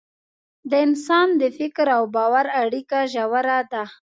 د انسان د فکر او باور اړیکه ژوره ده.